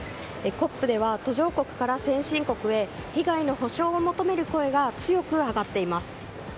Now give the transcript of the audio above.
ＣＯＰでは途上国から先進国へ被害の補償を求める声が強く上がっています。